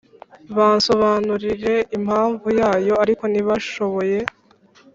Bansobanurire impamvu yayo ariko ntibashoboye